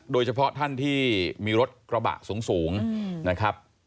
โดยเฉพาะท่านที่มีรถกระบะสูงนะครับ